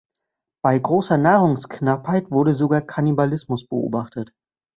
Bei großer Nahrungsknappheit wurde sogar Kannibalismus beobachtet.